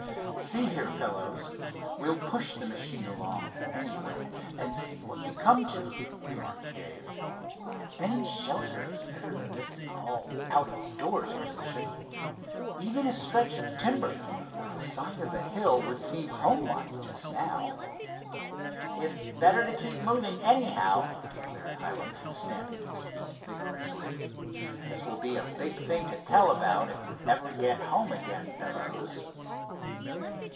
"See here, fellows, we'll push the machine along, anyway, and see what we come to," remarked Dave. "Any shelter is better than this all out of doors position. Even a stretch of timber or the side of a hill would seem homelike just now." "It's better to keep moving, anyhow," declared Hiram, stamping his feet vigorously. "This will be a big thing to tell about if we ever get home again, fellows."